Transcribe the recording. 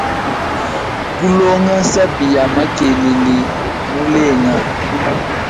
Kulonga nsapi ya makelele mulenga.